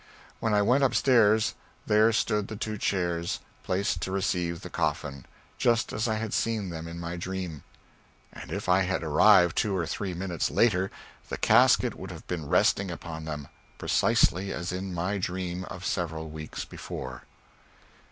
When I went up stairs, there stood the two chairs placed to receive the coffin just as I had seen them in my dream; and if I had arrived two or three minutes later, the casket would have been resting upon them, precisely as in my dream of several weeks before.